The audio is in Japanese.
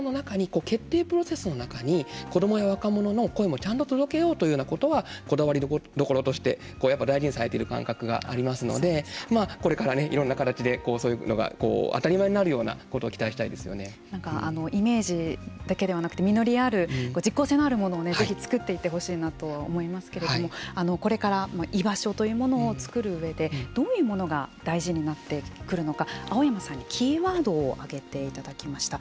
いろいろなものの中に決定プロセスの中に子どもや若者の声もちゃんと届けようというようなところはこだわりどころとして大事にされている感覚がありますのでこれからいろんな形でそういうのが当たり前になるようなイメージだけではなくて実りある実効性のあるものをぜひ作っていってほしいなと思いますけれどもこれから居場所というものを作る上でどういうものが大事になってくるのか。